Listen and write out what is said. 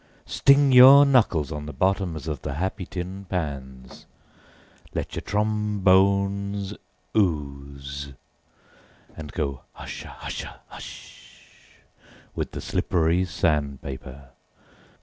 Sling your knuckles on the bottoms of the happy tin pans, let your trombones ooze, and go hushahusha hush with the slippery sand paper.